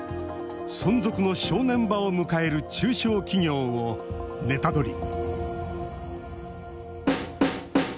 存続の正念場を迎える中小企業をネタドリ！